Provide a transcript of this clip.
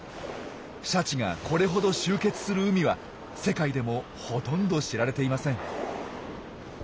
シャチがこれほど集結する海は世界でもほとんど知られていません。